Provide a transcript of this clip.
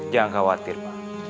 jangan khawatir pak